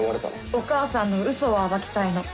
お母さんのうそを暴きたいの。